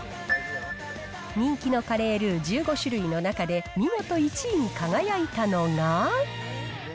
人気のカレールー１５種類の中で、見事１位に輝いたのが。